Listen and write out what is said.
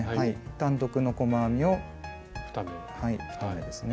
単独の細編みを２目ですね。